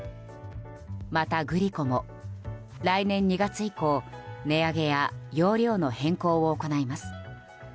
またグリコも来年２月以降値上げや容量の変更を行います。